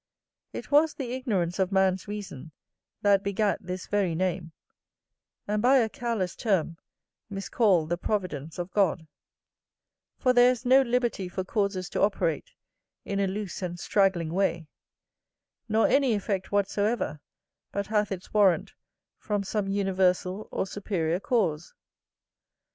It was the ignorance of man's reason that begat this very name, and by a careless term miscalled the providence of God: for there is no liberty for causes to operate in a loose and straggling way; nor any effect whatsoever but hath its warrant from some universal or superior cause.